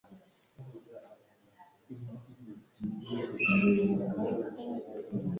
Leurs corps sont rapatriés en France